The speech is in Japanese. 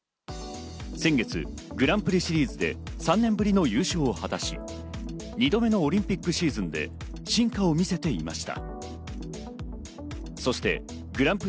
先月、グランプリシリーズで３年ぶりの優勝を果たし、２度目のオリンピックシーズンで進化を見せていました。